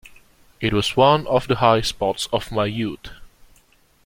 It was one of the high spots of my youth.